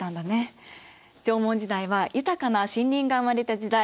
縄文時代は豊かな森林が生まれた時代。